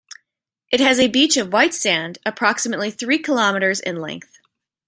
It has a beach of white sand, approximately three kilometres in length.